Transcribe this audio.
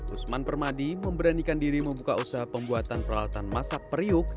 usman permadi memberanikan diri membuka usaha pembuatan peralatan masak periuk